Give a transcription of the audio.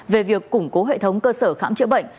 về việc củng cố hệ thống cơ sở khám chữa bệnh